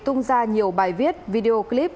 tung ra nhiều bài viết video clip